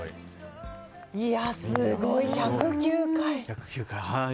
すごい、１０９回。